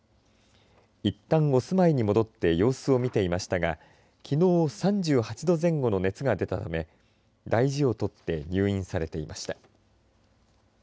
いったんお住まいに戻って様子を見ていましたがきのう３８度前後の熱が出たため大事をとって入院されていました。